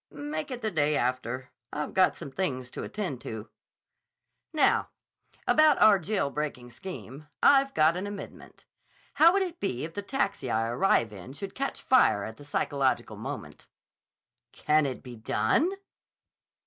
"Make it the day after. I've got some things to attend to." "Now, about our jail breaking scheme? I've got an amendment. How would it be if the taxi I arrive in should catch fire at the psychological moment?" "Can it be done?"